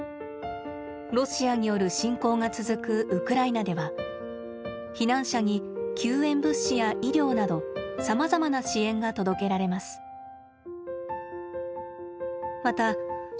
ロシアによる侵攻が続くウクライナでは避難者に救援物資や医療などさまざまな支援が届けられます。